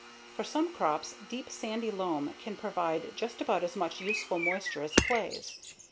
For some crops, deep sandy loams can provide just about as much usable moisture as clays.